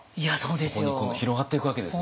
そこに今度広がっていくわけですね。